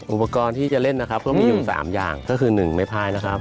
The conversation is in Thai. อุปกรณ์ที่จะเล่นนะครับก็มีอยู่๓อย่างก็คือ๑ไม้พายนะครับ